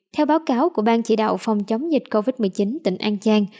theo báo cáo của ban chỉ đạo phòng chống dịch covid một mươi chín tỉnh an giang